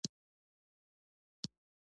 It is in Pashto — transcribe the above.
د هرات باغونه انګور دي